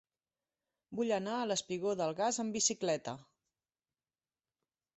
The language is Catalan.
Vull anar al espigó del Gas amb bicicleta.